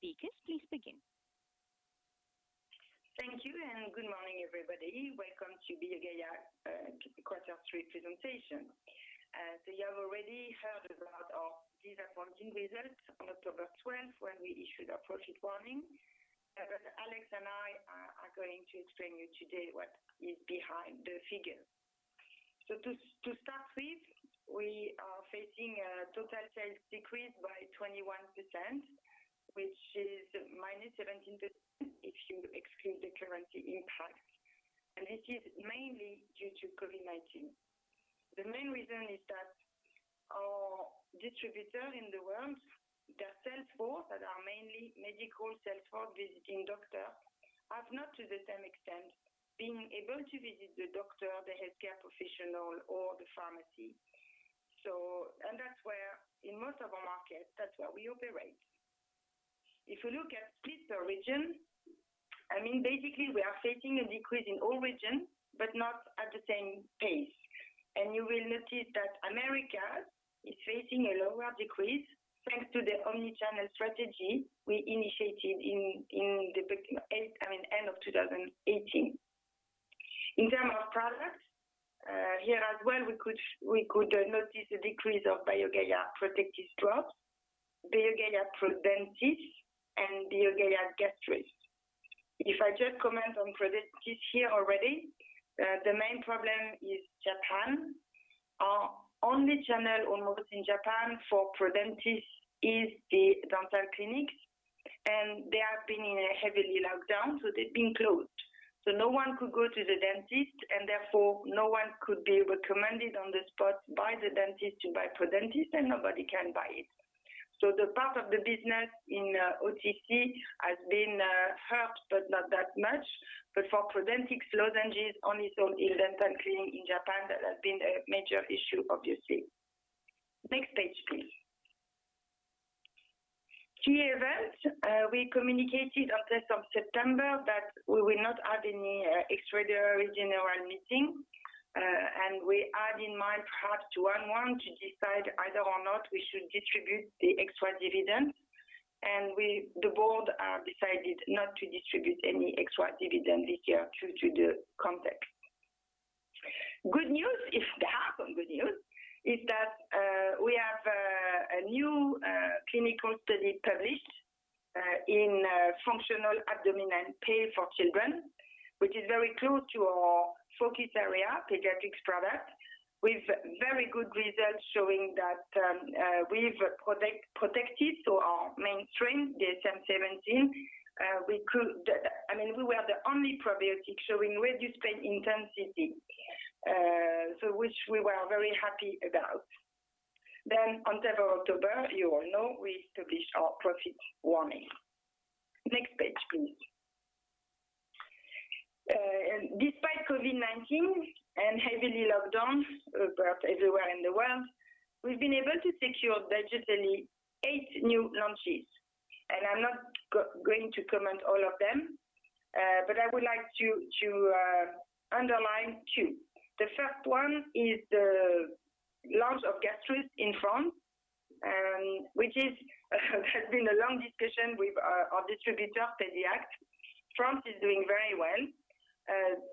Speakers, please begin. Thank you, good morning, everybody. Welcome to BioGaia quarter three presentation. You have already heard about our disappointing results on October 12th when we issued our profit warning. Alex and I are going to explain to you today what is behind the figures. To start with, we are facing a total sales decrease by 21%, which is -17% if you exclude the currency impact. This is mainly due to COVID-19. The main reason is that our distributors in the world, their sales force, that are mainly medical sales force visiting doctors, have not to the same extent been able to visit the doctor, the healthcare professional, or the pharmacy. In most of our markets, that's where we operate. If you look at split per region, basically we are facing a decrease in all regions, but not at the same pace. You will notice that America is facing a lower decrease thanks to the omni-channel strategy we initiated in the end of 2018. In terms of products, here as well, we could notice a decrease of BioGaia Protectis drops, BioGaia Prodentis, and BioGaia Gastrus. If I just comment on Prodentis here already, the main problem is Japan. Our only channel almost in Japan for Prodentis is the dental clinics, and they have been in a heavy lockdown, so they've been closed. No one could go to the dentist, and therefore no one could be recommended on the spot by the dentist to buy Prodentis, and nobody can buy it. The part of the business in OTC has been hurt, but not that much, but for Prodentis lozenges only sold in dental clinic in Japan, that has been a major issue, obviously. Next page, please. Key events. We communicated on 3rd of September that we will not have any extraordinary general meeting, we had in mind perhaps to warn to decide either or not we should distribute the extra dividend. The board decided not to distribute any extra dividend this year due to the context. Good news, if that happened, good news, is that we have a new clinical study published in functional abdominal pain for children, which is very close to our focus area, pediatrics product, with very good results showing that with Protectis, so our mainstream DSM17, we were the only probiotic showing reduced pain intensity, so which we were very happy about. On 7 October, you all know, we established our profit warning. Next page, please. Despite COVID-19 and heavy lockdowns about everywhere in the world, we've been able to secure digitally eight new launches. I'm not going to comment all of them, but I would like to underline two. The first one is the launch of Gastrus in France, which has been a long discussion with our distributor, PediAct. France is doing very well.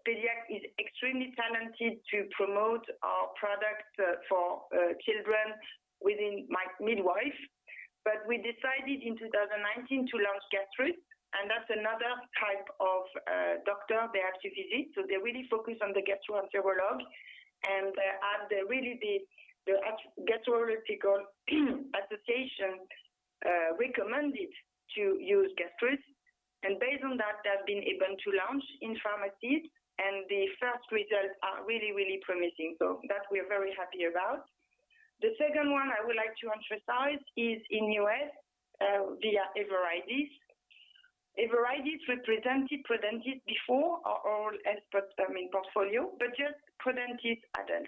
PediAct is extremely talented to promote our product for children within midwives. We decided in 2019 to launch Gastrus, and that's another type of doctor they have to visit. They really focus on the gastroenterologist, and they are really the gastroenterological association recommended to use Gastrus. Based on that, they have been able to launch in pharmacies, and the first results are really promising. That we are very happy about. The second one I would like to emphasize is in U.S., via Everidis. Everidis represented Prodentis before our oral health portfolio, but just Prodentis adult.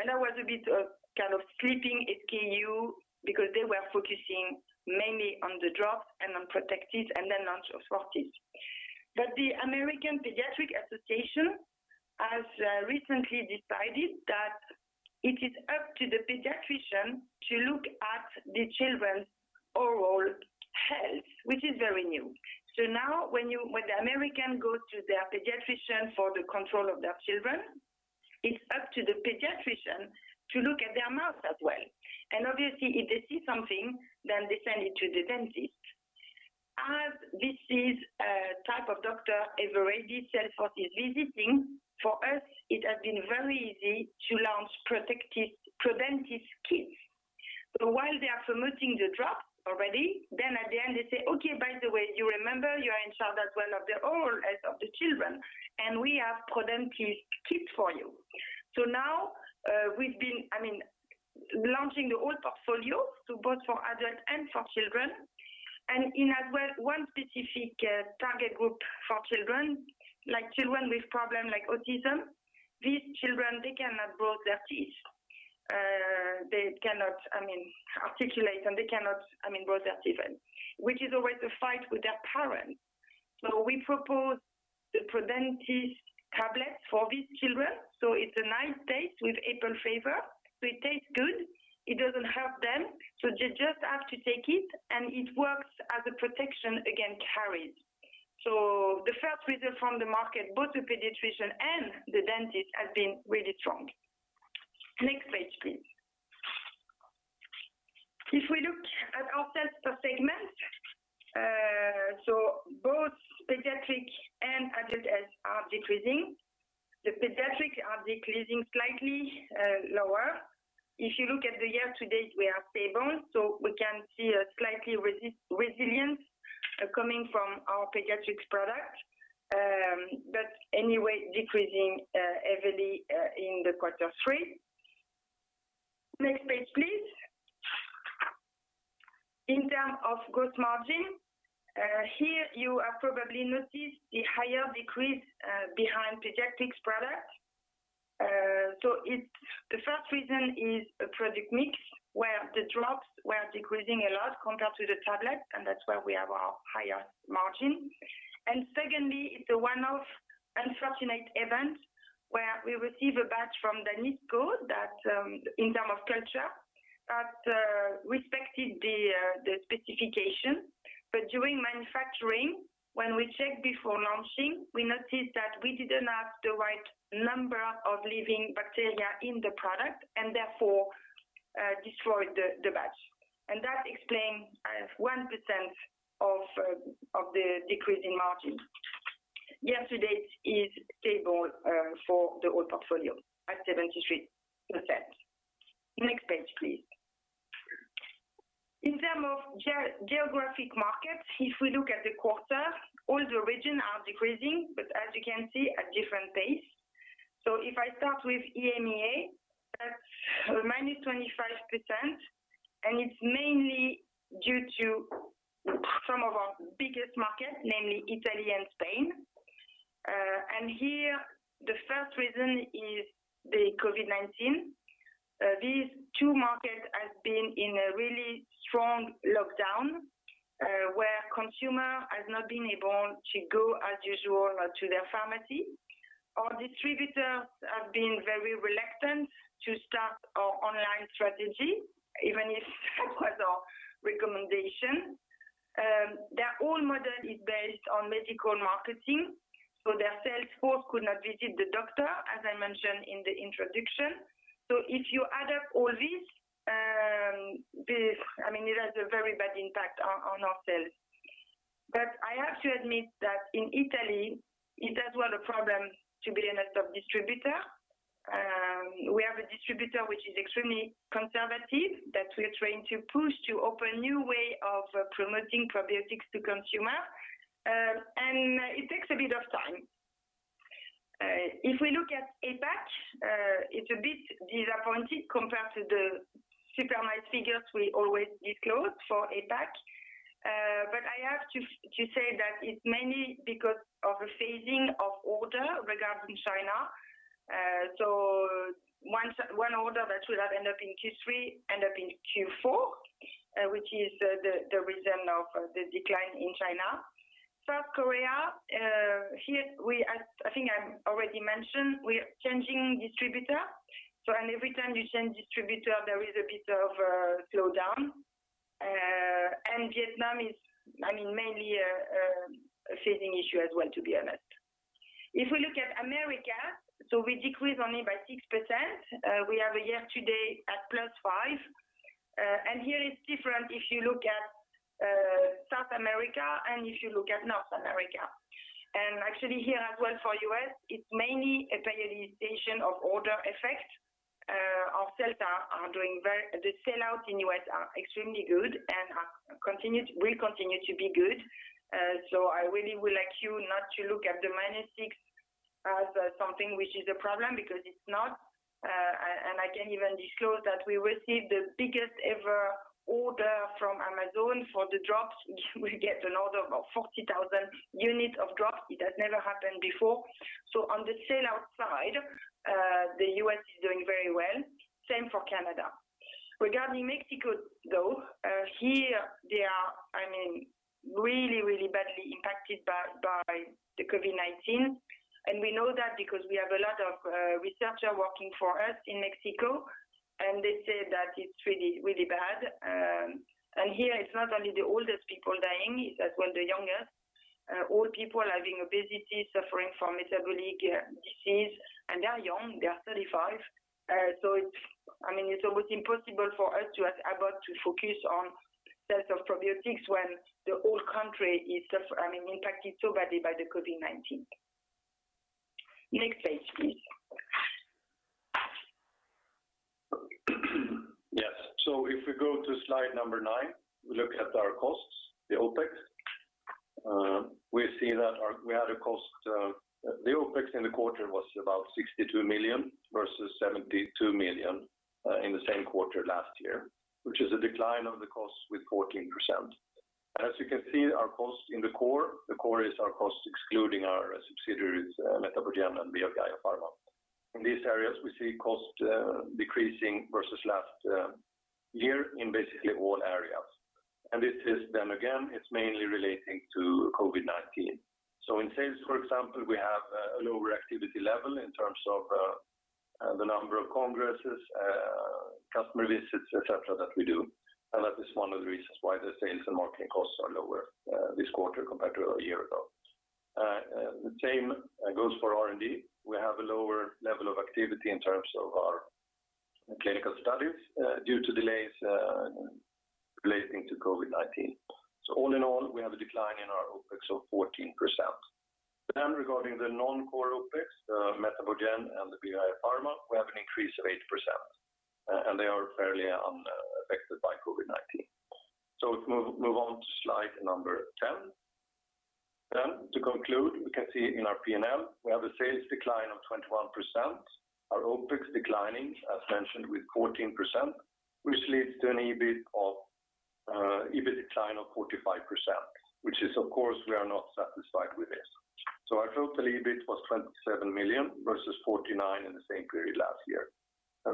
That was a bit of kind of sleeping SKU because they were focusing mainly on the drops and on Protectis and then launch of Prodentis. The American Academy of Pediatrics has recently decided that it is up to the pediatrician to look at the children's oral health, which is very new. Now when the American goes to their pediatrician for the control of their children, it's up to the pediatrician to look at their mouth as well. Obviously, if they see something, then they send it to the dentist. As this is a type of doctor Everidis sales force is visiting, for us, it has been very easy to launch Prodentis KIDS. While they are promoting the drops already, at the end they say, "Okay, by the way, you remember you are in charge as well of the oral health of the children, and we have Prodentis KIDS for you." Now, we've been launching the whole portfolio to both for adults and for children, and in as well one specific target group for children, like children with problem like autism. These children, they cannot brush their teeth. They cannot articulate, and they cannot brush their teeth, which is always a fight with their parents. We propose the Prodentis tablet for these children. It's a nice taste with apple flavor. It tastes good. It doesn't harm them, so they just have to take it, and it works as a protection against caries. The first result from the market, both the pediatrician and the dentist, has been really strong. Next page, please. If we look at our sales per segment, both pediatric and adult sales are decreasing. The pediatrics are decreasing slightly lower. If you look at the year-to-date, we are stable, so we can see a slightly resilience coming from our pediatrics product, decreasing heavily in the quarter three. Next page, please. In terms of gross margin, here you have probably noticed the higher decrease behind pediatrics product. The first reason is a product mix, where the drops were decreasing a lot compared to the tablet, and that's where we have our highest margin, secondly, the one-off unfortunate event where we receive a batch from Danisco that in term of culture that respected the specification. During manufacturing, when we checked before launching, we noticed that we didn't have the right number of living bacteria in the product and therefore destroyed the batch. That explains 1% of the decrease in margin. Year to date is stable for the whole portfolio at 73%. Next page, please. In term of geographic markets, if we look at the quarter, all the regions are decreasing, but as you can see, at different pace. If I start with EMEA, that's -25%, and it's mainly due to some of our biggest markets, namely Italy and Spain. Here the first reason is the COVID-19. These two markets has been in a really strong lockdown, where consumer has not been able to go as usual to their pharmacy, or distributors have been very reluctant to start our online strategy, even if that was our recommendation. Their whole model is based on medical marketing, their sales force could not visit the doctor, as I mentioned in the introduction. If you add up all this, it has a very bad impact on our sales. I have to admit that in Italy, it has well a problem to be another distributor. We have a distributor which is extremely conservative that we are trying to push to open new way of promoting probiotics to consumer, and it takes a bit of time. We look at APAC, it's a bit disappointing compared to the super nice figures we always disclose for APAC. I have to say that it's mainly because of a phasing of order regarding China. One order that should have ended up in Q3, end up in Q4, which is the reason of the decline in China. South Korea, here I think I already mentioned we are changing distributor. Every time you change distributor, there is a bit of a slowdown. Vietnam is mainly a phasing issue as well, to be honest. If we look at America, so we decrease only by 6%. We have a year-to-date at plus 5%. Here it's different if you look at South America and if you look at North America. Actually here as well for U.S., it's mainly a prioritization of order effect. The sell-out in U.S. are extremely good and will continue to be good. I really would like you not to look at the -6% as something which is a problem, because it's not. I can even disclose that we received the biggest ever order from Amazon for the drops. We get an order of 40,000 units of drops. It has never happened before. On the sell-out side, the U.S. is doing very well. Same for Canada. Regarding Mexico, though, here they are really badly impacted by the COVID-19. We know that because we have a lot of researcher working for us in Mexico, and they say that it's really bad. Here it's not only the oldest people dying, it's as well the youngest. Old people having obesity, suffering from metabolic disease, and they are young, they are 35. It's almost impossible for us to as at Abbott to focus on sales of probiotics when the whole country is impacted so badly by the COVID-19. Next page, please. Yes. If we go to slide number nine, we look at our costs, the OPEX. We see that the OPEX in the quarter was about 62 million versus 72 million in the same quarter last year, which is a decline of the cost with 14%. As you can see, our cost in the core, the core is our cost excluding our subsidiaries, MetaboGen and BioGaia Pharma. In these areas, we see cost decreasing versus last year in basically all areas. This is, again, it's mainly relating to COVID-19. In sales, for example, we have a lower activity level in terms of the number of congresses, customer visits, et cetera, that we do. That is one of the reasons why the sales and marketing costs are lower this quarter compared to a year ago. The same goes for R&D. We have a lower level of activity in terms of our clinical studies due to delays relating to COVID-19. All in all, we have a decline in our OpEx of 14%. Regarding the non-core OpEx, the MetaboGen and the BioGaia Pharma, we have an increase of 8%, and they are fairly unaffected by COVID-19. Let's move on to slide number 10. To conclude, we can see in our P&L, we have a sales decline of 21%, our OpEx declining, as mentioned, with 14%, which leads to an EBIT decline of 45%, which is, of course, we are not satisfied with this. Our total EBIT was 27 million versus 49 million in the same period last year.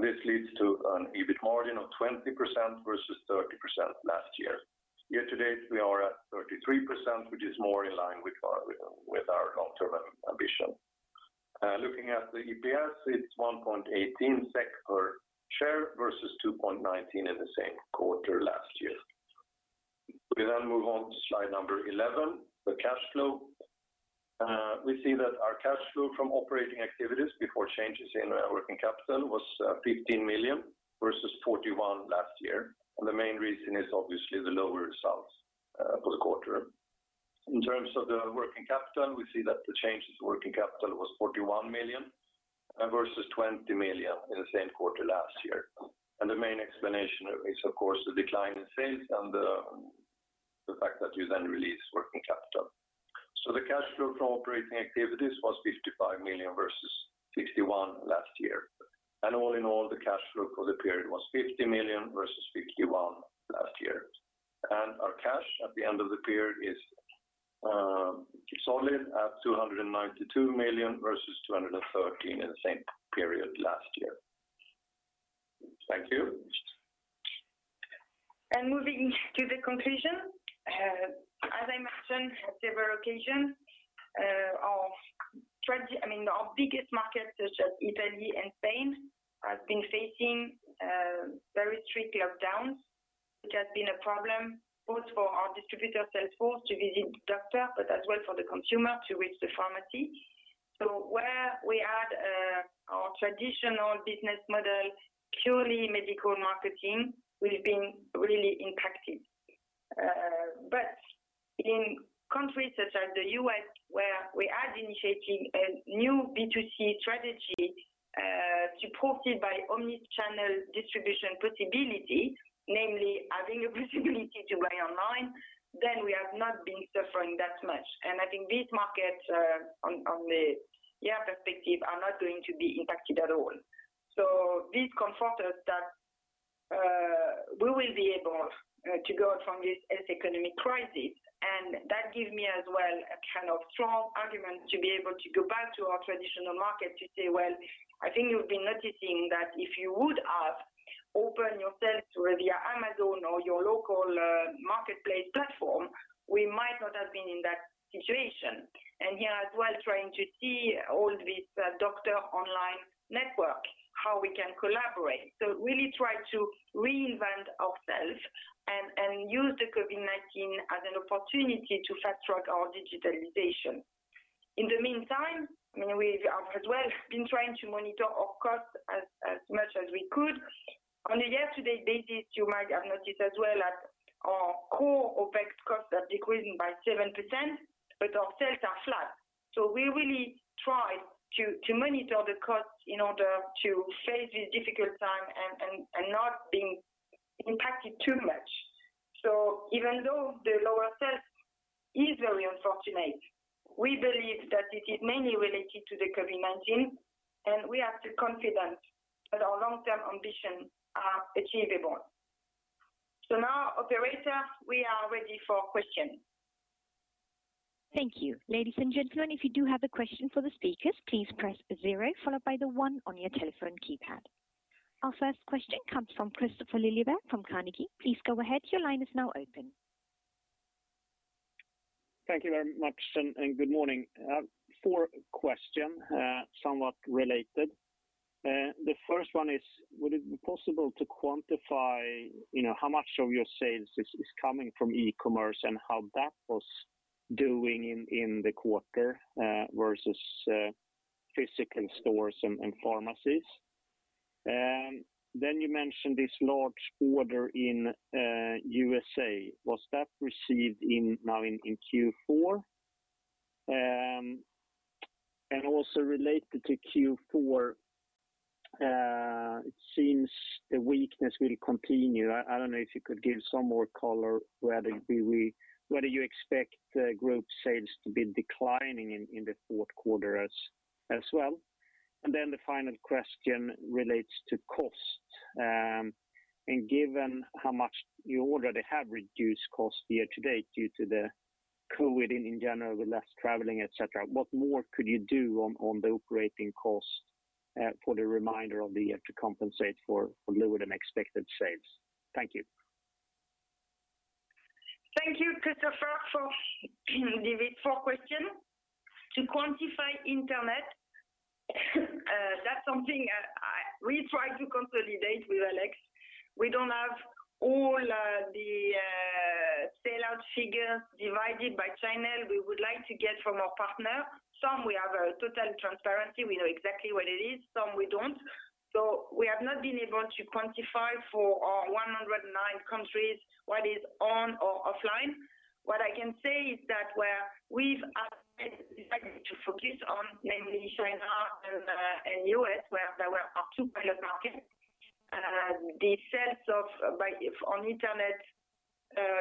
This leads to an EBIT margin of 20% versus 30% last year. Year to date, we are at 33%, which is more in line with our long-term ambition. Looking at the EPS, it's 1.18 SEK/share versus 2.19 in the same quarter last year. We move on to slide number 11, the cash flow. We see that our cash flow from operating activities before changes in our working capital was 15 million versus 41 million last year. The main reason is obviously the lower sales for the quarter. In terms of the working capital, we see that the change in working capital was 41 million versus 20 million in the same quarter last year. The main explanation is, of course, the decline in sales and the fact that we then release working capital. The cash flow from operating activities was 55 million versus 61 million last year. All in all, the cash flow for the period was 50 million versus 51 million last year. Our cash at the end of the period is solid at 292 million versus 213 in the same period last year. Thank you. Moving to the conclusion, as I mentioned on several occasions, our biggest markets such as Italy and Spain have been facing very strict lockdowns, which has been a problem both for our distributor sales force to visit doctors, but as well for the consumer to reach the pharmacy. Where we had our traditional business model, purely medical marketing, we've been really impacted. In countries such as the U.S., where we are initiating a new B2C strategy, supported by omni-channel distribution possibility, namely having a possibility to buy online, then we have not been suffering that much. I think these markets, on the year perspective, are not going to be impacted at all. This comforts us that we will be able to go out from this economic crisis. That gives me as well a kind of strong argument to be able to go back to our traditional market to say, "Well, I think you've been noticing that if you would have opened your sales through via Amazon or your local marketplace platform, we might not have been in that situation." Here as well, trying to see all these doctor online network, how we can collaborate. Really try to reinvent ourselves and use the COVID-19 as an opportunity to fast-track our digitalization. In the meantime, we have as well been trying to monitor our costs as much as we could. On a year-to-date basis, you might have noticed as well that our core OpEx costs are decreasing by 7%, but our sales are flat. We really try to monitor the costs in order to face this difficult time and not being impacted too much. Even though the lower sales is very unfortunate, we believe that it is mainly related to the COVID-19, and we are still confident that our long-term ambition are achievable. Now, operator, we are ready for questions. Thank you. Ladies and gentlemen, if you do have a question for the speaker, please press zero followed by one on your telephone keypad. Our first question comes from Kristofer Liljeberg from Carnegie. Please go ahead, your line is now open. Thank you very much, and good morning. Four questions, somewhat related. The first one is, would it be possible to quantify how much of your sales is coming from e-commerce and how that was doing in the quarter versus physical stores and pharmacies? You mentioned this large order in U.S.A. Was that received now in Q4? Also related to Q4, it seems the weakness will continue. I don't know if you could give some more color whether you expect group sales to be declining in the fourth quarter as well. The final question relates to costs. Given how much you already have reduced costs year to date due to COVID-19 in general with less traveling, et cetera. What more could you do on the operating costs for the remainder of the year to compensate for lower than expected sales? Thank you. Thank you, Kristofer, for question. To quantify internet, that's something we try to consolidate with Alex. We don't have all the sellout figures divided by channel. We would like to get from our partner. Some we have a total transparency, we know exactly what it is, some we don't. We have not been able to quantify for our 109 countries what is on or offline. What I can say is that where we've decided to focus on mainly China and U.S., where there were our two pilot markets. The sales on internet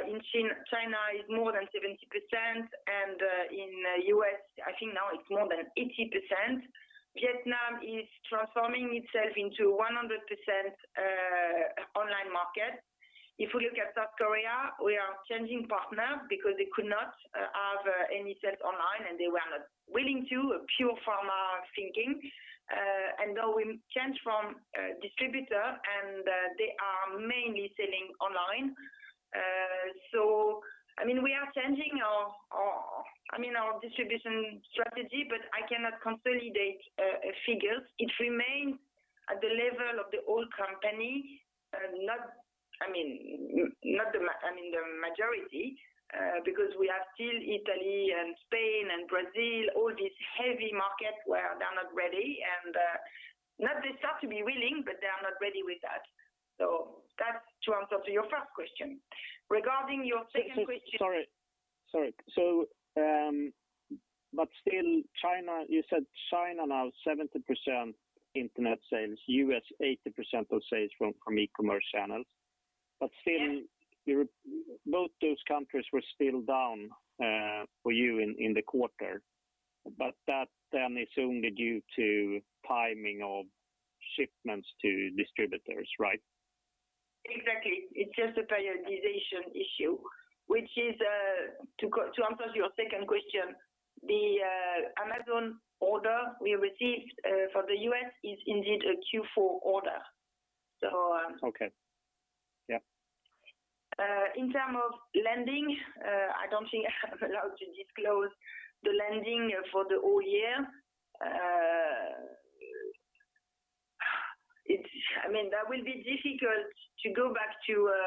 in China is more than 70%, and in U.S., I think now it's more than 80%. Vietnam is transforming itself into 100% online market. If we look at South Korea, we are changing partner because they could not have any sales online, and they were not willing to, a pure pharma thinking. Now we change from distributor, and they are mainly selling online. We are changing our distribution strategy, but I cannot consolidate figures. It remains at the level of the old company, the majority, because we have still Italy and Spain and Brazil, all these heavy markets where they're not ready and not they start to be willing, but they are not ready with that. That's to answer to your first question. Regarding your second question. Sorry. Still, you said China now 70% internet sales, U.S. 80% of sales from e-commerce channels. Yeah. But still both those countries were still down for you in the quarter. That is only due to timing of shipments to distributors, right? Exactly. It's just a prioritization issue, which is, to answer your second question, the Amazon order we received for the U.S. is indeed a Q4 order. Okay. Yeah. In term of landing, I don't think I'm allowed to disclose the landing for the whole year. That will be difficult to go back to a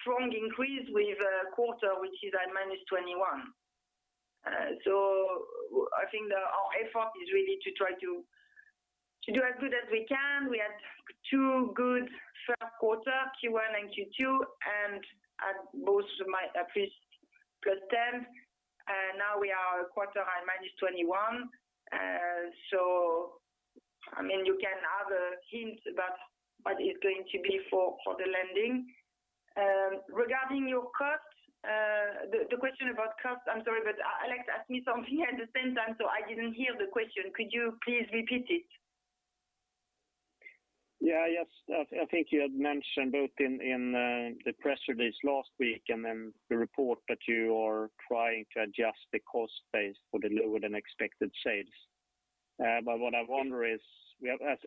strong increase with a quarter which is at -21%. I think that our effort is really to try to do as good as we can. We had two good first quarter, Q1 and Q2, and at [both my] +10%. Now we are a quarter at -21%. You can have a hint about what is going to be for the landing. Regarding your cost, the question about cost, I'm sorry, but Alex asked me something at the same time, so I didn't hear the question. Could you please repeat it? Yeah. I think you had mentioned both in the press release last week and then the report that you are trying to adjust the cost base for the lower than expected sales. What I wonder is,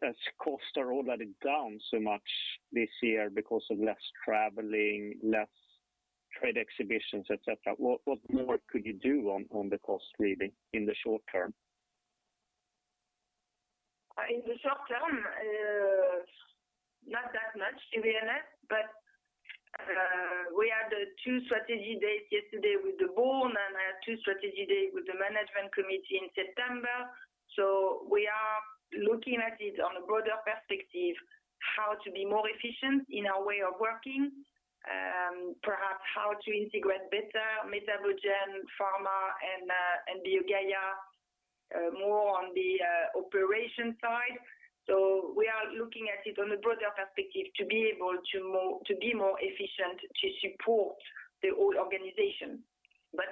as costs are already down so much this year because of less traveling, less trade exhibitions, et cetera, what more could you do on the cost really in the short term? In the short term, not that much, in fairness. We had two strategy days yesterday with the board, and I had two strategy days with the management committee in September. We are looking at it on a broader perspective, how to be more efficient in our way of working, perhaps how to integrate better MetaboGen, Pharma and BioGaia more on the operation side. We are looking at it on a broader perspective to be more efficient to support the whole organization.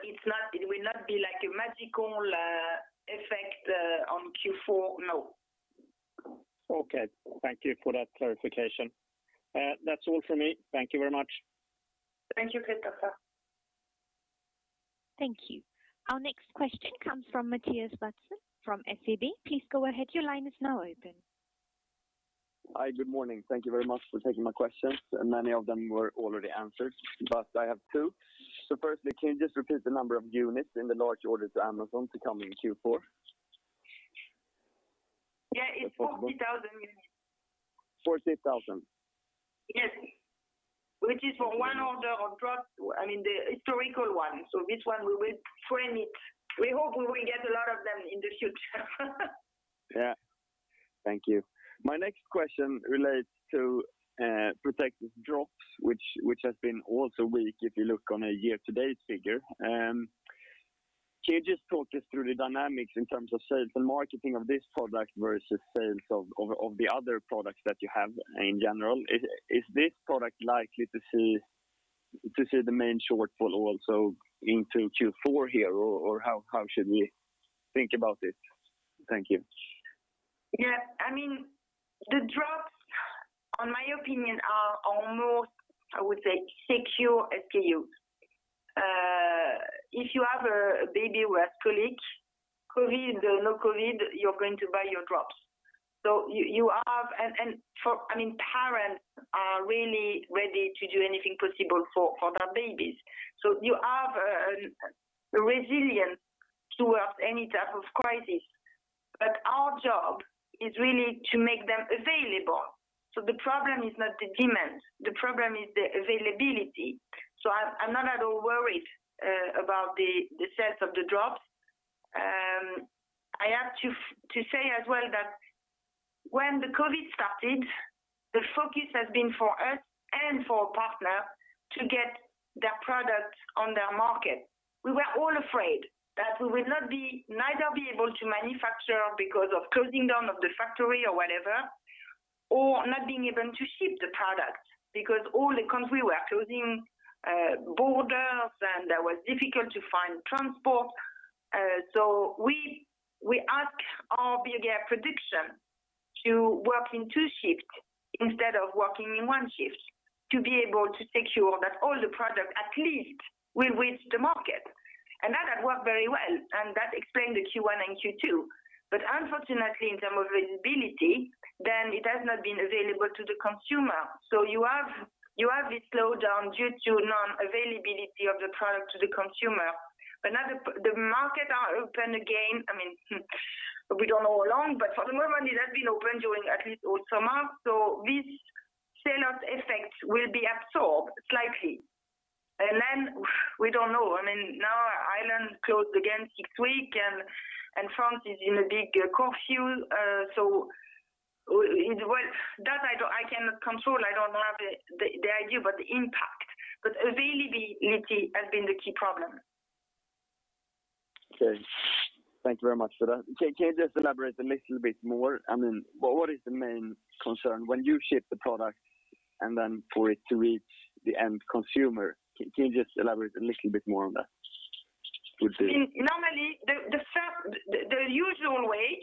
It will not be like a magical effect on Q4, no. Okay. Thank you for that clarification. That's all from me. Thank you very much. Thank you, Kristofer. Thank you. Our next question comes from Mattias Vadsten from SEB. Hi, good morning. Thank you very much for taking my questions. Many of them were already answered. I have two. Firstly, can you just repeat the number of units in the large order to Amazon to come in Q4? Yeah, it's 40,000 units. 40,000? Yes. Which is for one order of drops. The historical one. This one we will frame it. We hope we will get a lot of them in the future. Yeah. Thank you. My next question relates to Protectis drops, which has been also weak if you look on a year-to-date figure. Can you just talk us through the dynamics in terms of sales and marketing of this product versus sales of the other products that you have in general? Is this product likely to see the main shortfall also into Q4 here, or how should we think about it? Thank you. Yeah. The drops, in my opinion, are almost, I would say, secure SKUs. If you have a baby with colic, COVID or no COVID, you're going to buy your drops. Parents are really ready to do anything possible for their babies. You have a resilience towards any type of crisis, but our job is really to make them available. The problem is not the demand, the problem is the availability. I'm not at all worried about the sales of the drops. I have to say as well that when the COVID started, the focus has been for us and for partner to get their product on their market. We were all afraid that we would neither be able to manufacture because of closing down of the factory or whatever or not being able to ship the product because all the country were closing borders, and it was difficult to find transport. We ask our BioGaia Production to work in two shifts instead of working in one shift, to be able to secure that all the products at least will reach the market. That has worked very well. That explained the Q1 and Q2. Unfortunately, in term of availability, then it has not been available to the consumer. You have this slowdown due to non-availability of the product to the consumer. Now the market are open again. We don't know how long, but for the moment, it has been open during at least all summer. This sell-out effect will be absorbed slightly. We don't know. Now Ireland closed again six week, and France is in a big curfew. That I cannot control. I don't have the idea about the impact. Availability has been the key problem. Okay. Thank you very much for that. Can you just elaborate a little bit more? What is the main concern when you ship the product and then for it to reach the end consumer? Can you just elaborate a little bit more on that please? Normally, the usual way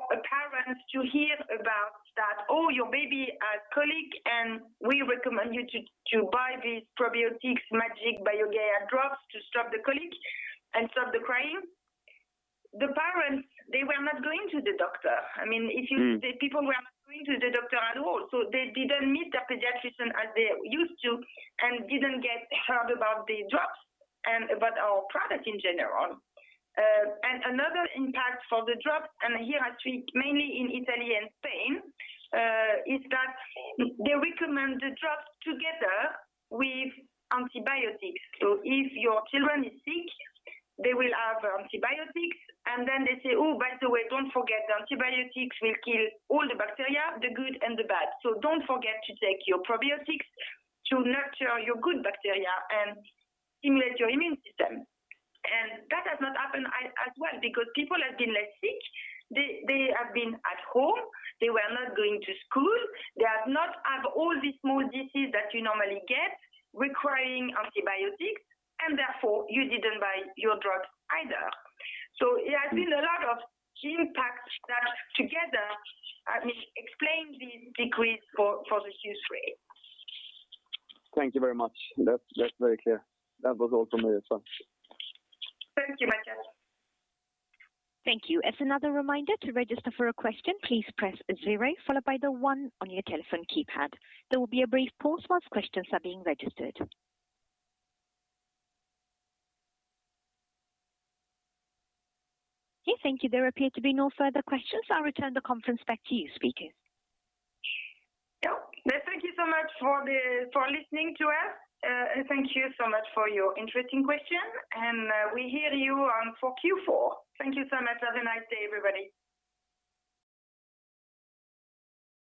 for parents to hear about that, "Oh, your baby has colic, and we recommend you to buy these probiotics magic BioGaia drops to stop the colic and stop the crying." The parents, they were not going to the doctor. The people were not going to the doctor at all. They didn't meet the pediatrician as they used to and didn't get heard about the drops and about our product in general. Another impact for the drops, and here actually, it's mainly in Italy and Spain, is that they recommend the drops together with antibiotics. If your children is sick, they will have antibiotics, and then they say, "Oh, by the way, don't forget, the antibiotics will kill all the bacteria, the good and the bad. Don't forget to take your probiotics to nurture your good bacteria and stimulate your immune system. That has not happened as well because people have been less sick. They have been at home. They were not going to school. They have not had all these small diseases that you normally get requiring antibiotics, and therefore, you didn't buy your drops either. It has been a lot of impact that together explain the decrease for the Q3. Thank you very much. That's very clear. That was all from me as well. Thank you, Mattias. Thank you. As another reminder, to register for a question, please press zero followed by the one on your telephone keypad. There will be a brief pause whilst questions are being registered. Okay, thank you. There appear to be no further questions. I'll return the conference back to you, speaker. Yep. Thank you so much for listening to us. Thank you so much for your interesting question, and we hear you on for Q4. Thank you so much. Have a nice day, everybody.